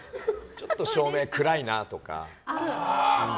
ちょっと照明暗いなとか。